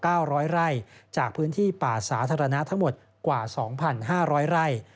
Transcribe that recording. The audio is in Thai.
รายจากพื้นที่ป่าสาธารณะทั้งหมดกว่า๒๕๐๐ราย